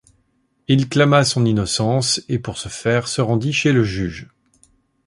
Il clama son innocence et pour ce faire se rendit chez le juge.